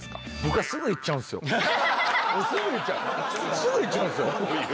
すぐ言っちゃうんですよ。